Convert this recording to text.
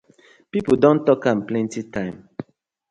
Pipu don tok am plenty time.